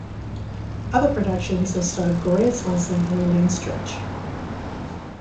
Other productions have starred Gloria Swanson and Elaine Stritch.